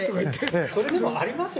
それこそありますよ